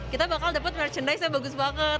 kita bakal dapat merchandise yang bagus banget